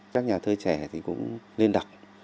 các nhà thơ trẻ thì cũng lên đọc